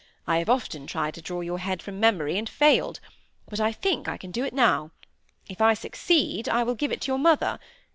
I have often tried to draw your head from memory, and failed; but I think I can do it now. If I succeed I will give it to your mother.